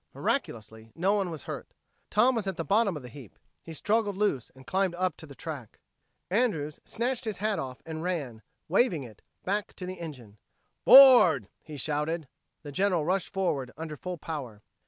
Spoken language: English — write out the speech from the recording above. Miraculously, no one was hurt. Tom was at the bottom of the heap; he struggled loose and climbed up to the track. Andrews snatched his hat off and ran, waving it, back to the engine. "'Board!" he shouted. The General rushed forward, under full power.